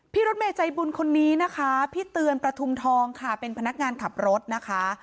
รถเมย์ใจบุญคนนี้นะคะพี่เตือนประทุมทองค่ะเป็นพนักงานขับรถนะคะ